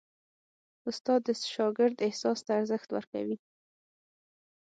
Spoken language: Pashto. استاد د شاګرد احساس ته ارزښت ورکوي.